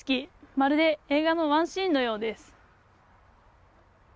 まるで映画のワンシーンのようです。